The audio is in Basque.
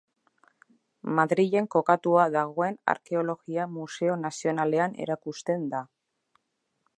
Madrilen kokatua dagoen Arkeologia Museo Nazionalean erakusten da.